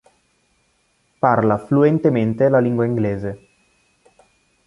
Parla fluentemente la lingua inglese.